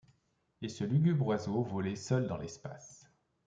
Et ce lugubre oiseau volait seul dans l’espace